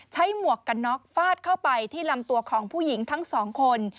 หมวกกันน็อกฟาดเข้าไปที่ลำตัวของผู้หญิงทั้งสองคน